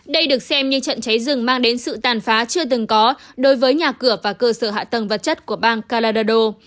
đây được xem như trận cháy rừng mang đến sự tàn phá chưa từng có đối với nhà cửa và cơ sở hạ tầng vật chất của bang calado